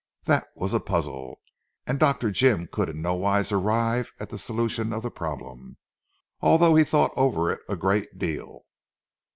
That was a puzzle, and Dr. Jim could in nowise arrive at the solution of the problem, although he thought over it a great deal.